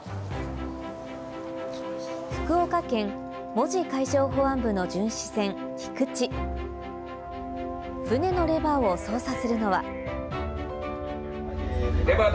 福岡県、門司海上保安部の巡視船「きくち」の操作するのは。